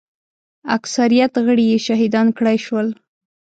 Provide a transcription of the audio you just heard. اکثریت غړي یې شهیدان کړای شول.